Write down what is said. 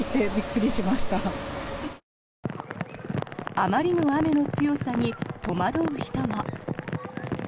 あまりの雨の強さに戸惑う人も。